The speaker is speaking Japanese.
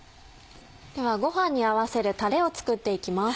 ではごはんに合わせるたれを作っていきます。